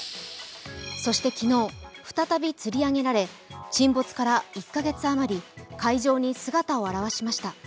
そして昨日、再びつり上げられ沈没から１カ月あまり、海上に姿を現しました。